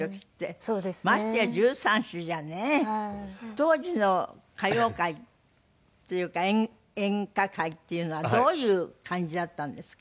当時の歌謡界っていうか演歌界っていうのはどういう感じだったんですか？